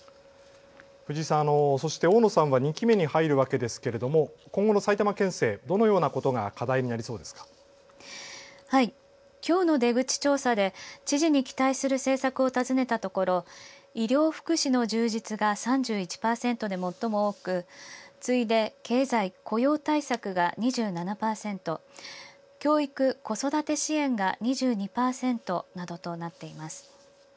藤井さん、そして大野さんは２期目に入るわけですけれども今後の埼玉県政どのようなことがきょうの出口調査で知事に期待する政策を尋ねたところ医療・福祉の充実が３１％で最も多く次いで経済・雇用対策が２７％教育・子育て支援が２２％などとなっています。